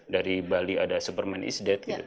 dari bali ada superman is dead gitu